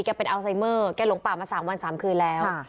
เป็นอัลไซเมอร์แกหลงป่ามา๓วัน๓คืนแล้ว